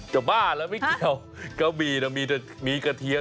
จะบ้าแล้วไม่เกี่ยวกระบี่น่ะมีกระเทียม